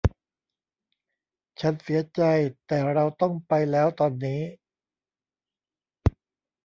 ฉันเสียใจแต่เราต้องไปแล้วตอนนี้